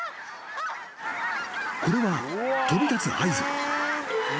［これは飛び立つ合図］